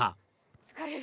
疲れる。